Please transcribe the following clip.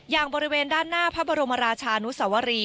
บริเวณด้านหน้าพระบรมราชานุสวรี